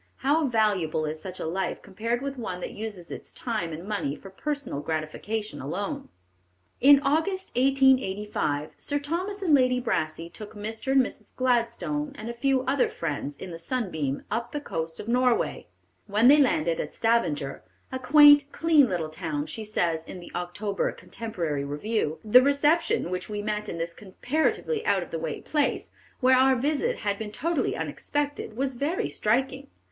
How valuable is such a life compared with one that uses its time and money for personal gratification alone. In August, 1885, Sir Thomas and Lady Brassey took Mr. and Mrs. Gladstone, and a few other friends, in the Sunbeam, up the coast of Norway. When they landed at Stavanger, a quaint, clean little town, she says, in the October Contemporary Review: "The reception which we met in this comparatively out of the way place, where our visit had been totally unexpected, was very striking.